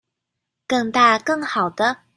更大更好的